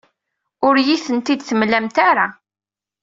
Ur iyi-tent-id-temlamt ara.